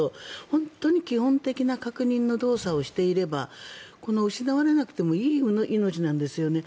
本当に基本的な確認の動作をしていれば失われなくてもいい命なんですよね。